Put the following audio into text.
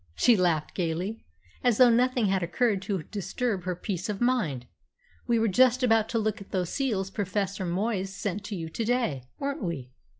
She laughed gaily, as though nothing had occurred to disturb her peace of mind. "We were just about to look at those seals Professor Moyes sent you to day, weren't we?